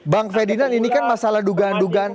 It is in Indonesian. bang ferdinand ini kan masalah dugaan dugaan